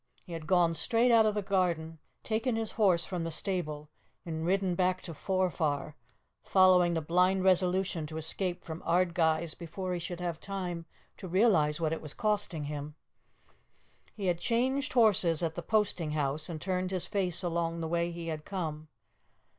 He had gone straight out of the garden, taken his horse from the stable, and ridden back to Forfar, following the blind resolution to escape from Ardguys before he should have time to realize what it was costing him. He had changed horses at the posting house, and turned his face along the way he had come.